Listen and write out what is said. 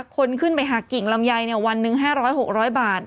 คนขึ้นไปหักกิ่งลำไยวันหนึ่ง๕๐๐๖๐๐บาท